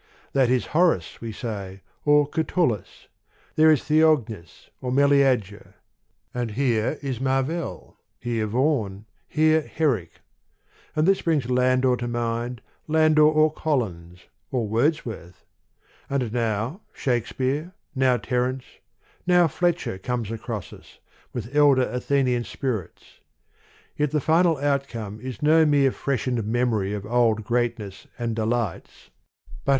That is Horace, we say, or Catullus ; there is Theognis or Meleager ; and here is Mar veil, here Vaughan, here Herrick ; and this brings Landor to mind, Landor, or Collins, or Wordsworth ; and now Shakespeare, now Terence, now Fletcher comes across us, with elder Athenian spirits : yet the final outcome is no mere freshened mem ory of old greatness and deligHts, but a THE POEMS OF MR. BRIDGES.